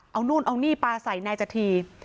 เอานู่นเอานี่ปลาใส่นายจธี